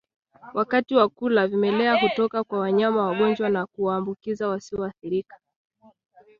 Wakati wa kula vimelea hutoka kwa wanyama wagonjwa na kuwaambukiza wasioathirika